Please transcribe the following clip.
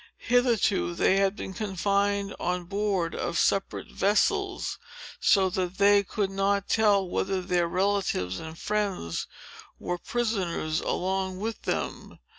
Hitherto, they had been confined on board of separate vessels, so that they could not tell whether their relatives and friends were prisoners along with them.